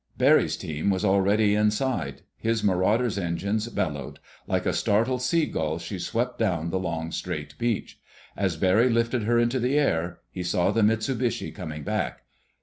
Barry's team was already inside. His Marauder's engines bellowed. Like a startled seagull she swept down the long, straight beach. As Barry lifted her into the air he saw the Mitsubishi coming back.